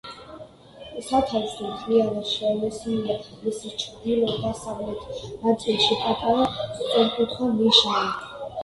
სათავსი მთლიანად შელესილია: მის ჩრდილო-დასავლეთ ნაწილში პატარა სწორკუთხა ნიშაა.